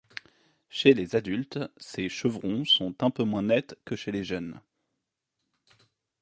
Chez les adultes, ces chevrons sont un peu moins nets que chez les jeunes.